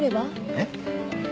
えっ？